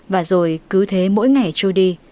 và rồi cứ thế mỗi ngày trôi đi